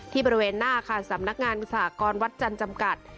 ที่บริเวณหน้าค่าสำนักงานสหกรณ์วัดจันทร์จำกัด